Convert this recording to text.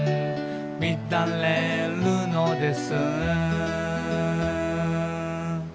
「みだれるのです」